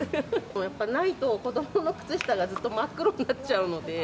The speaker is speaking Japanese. やっぱりないと、子どもの靴下がずっと真っ黒になっちゃうので。